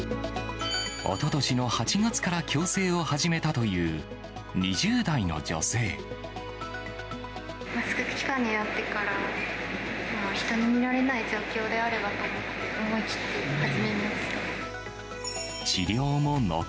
おととしの８月から矯正を始マスク期間になってから、人に見られない状況であればと思って、思い切って始めました。